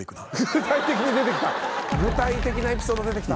具体的なエピソード出てきた。